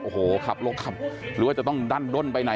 โอ้โหขับรถขับหรือว่าจะต้องดั้นด้นไปไหน